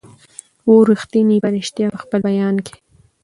وو ریښتونی په ریشتیا په خپل بیان کي